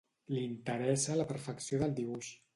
Li interessa la perfecció del dibuix.